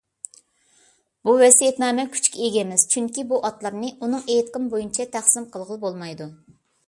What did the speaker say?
بۇ ۋەسىيەتنامە كۈچكە ئىگە ئەمەس، چۈنكى بۇ ئاتلارنى ئۇنىڭ ئېيتىقىنى بويىچە تەقسىم قىلغىلى بولمايدۇ.